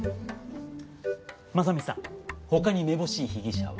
真実さん他にめぼしい被疑者は？